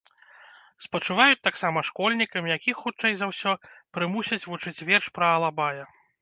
Спачуваюць таксама школьнікам, якіх, хутчэй за ўсё, прымусяць вучыць верш пра алабая.